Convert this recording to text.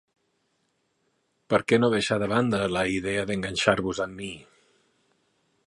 Per què no deixar de banda la idea d'enganxar-vos amb mi?